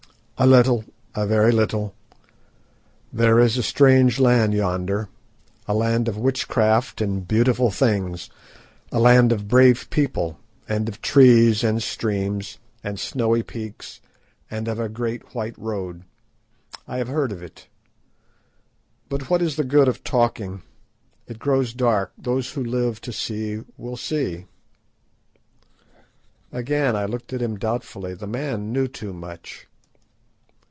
"A little; a very little. There is a strange land yonder, a land of witchcraft and beautiful things; a land of brave people, and of trees, and streams, and snowy peaks, and of a great white road. I have heard of it. But what is the good of talking? It grows dark. Those who live to see will see." Again I looked at him doubtfully. The man knew too much.